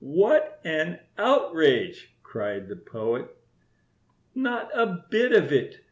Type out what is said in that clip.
"What an outrage!" cried the Poet. "Not a bit of it.